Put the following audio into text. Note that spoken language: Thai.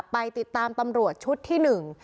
ไปติดตามตำรวจชุดที่หนึ่ง